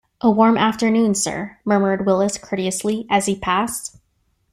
"A warm afternoon, sir," murmured Willis courteously, as he passed.